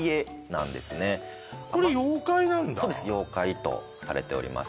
妖怪とされております